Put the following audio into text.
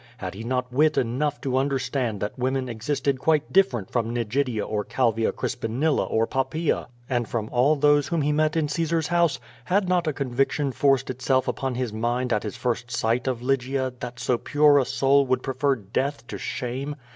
Had he not wit enough to understand that women existed quite different from Nigidia or Calvia Crispinilla or Poppaea, and from all those whom he met in Caesar's house? Had not a conviction forced itself upon his mind at his first sight of Lygia that so pure a soul would prefer death to shame?